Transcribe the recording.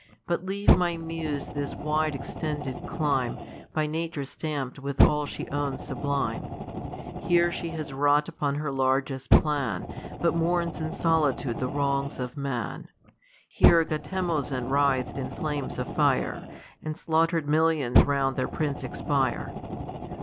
But leave, my muse, this wide exten Jed clime, By nature stamp'd with all^slie owns sublime. ' Here she has wrought upon her largest plan. But mourns in solitude the wrongs of man. Here Gautemozin writh'd in flames of fire. And slaughter'd millions round their prince expire.